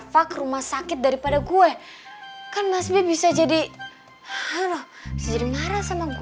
jangan ada dari antara kalian yang berani nunjukin batang hidung kalian kesini lagi